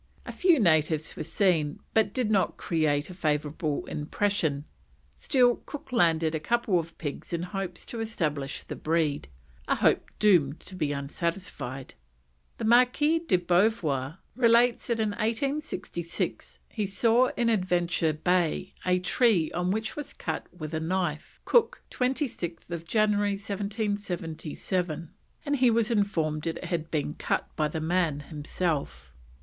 A few natives were seen, but did not create a favourable impression, still Cook landed a couple of pigs in hopes to establish the breed, a hope doomed to be unsatisfied. The Marquis de Beauvoir relates that in 1866 he saw in Adventure Bay a tree on which was cut with a knife: Cook, 26th Jan. 1777, and he was informed it had been cut by the man himself.